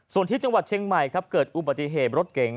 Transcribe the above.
ส่วนที่จังหวัดเชียงใหม่ครับเกิดอุบัติเหตุรถเก๋ง